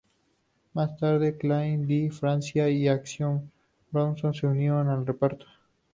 Más tarde, Craig Di Francia y Action Bronson se unieron al reparto.